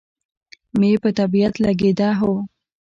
مې په طبیعت لګېده، هو.